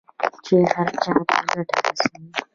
چې هر چا ته ګټه رسوي.